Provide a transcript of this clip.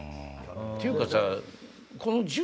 ていうかさ。